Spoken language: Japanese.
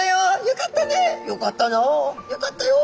「よかったよ」。